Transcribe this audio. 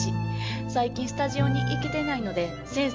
最近スタジオに行けてないので先生